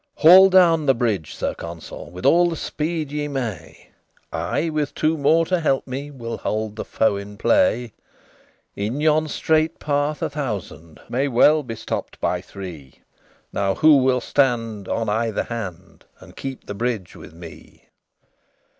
XXIX "Haul down the bridge, Sir Consul, With all the speed ye may; I, with two more to help me, Will hold the foe in play. In yon strait path a thousand May well be stopped by three. Now who will stand on either hand, And keep the bridge with me?"